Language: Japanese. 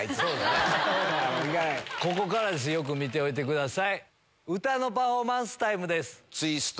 ここからです、よく見ておいてください。